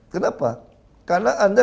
kenapa karena anda